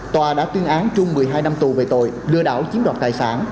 tòa đã tuyên án trung một mươi hai năm tù về tội lừa đảo chiếm đoạt tài sản